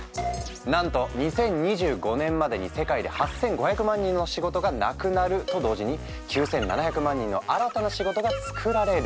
なんと２０２５年までに世界で８，５００万人の仕事がなくなると同時に９，７００万人の新たな仕事が作られる。